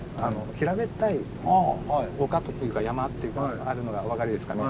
平べったい丘というか山っていうかあるのがおわかりですかね。